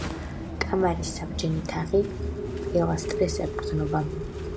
კამარის საბჯენი თაღი პილასტრებს ეყრდნობა.